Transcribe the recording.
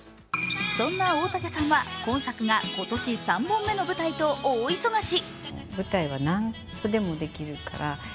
そんな大竹さんは今作が今年３本目の舞台と大忙し。